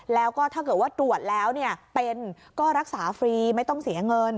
แล้วก็ถ้าเกิดว่าตรวจแล้วเป็นก็รักษาฟรีไม่ต้องเสียเงิน